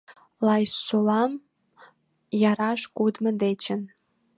Лайсолам яраш кодмо дечын